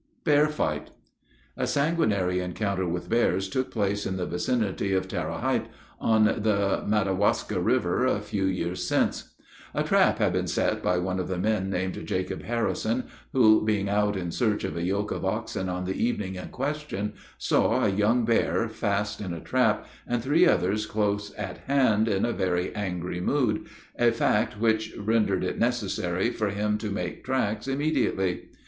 BEAR FIGHT. A sanguinary encounter with bears took place in the vicinity of Tara height, on the Madawaska river, a few years since: "A trap had been set by one of the men, named Jacob Harrison, who, being out in search of a yoke of oxen on the evening in question, saw a young bear fast in the trap, and three others close at hand in a very angry mood, a fact which rendered it necessary for him to make tracks immediately.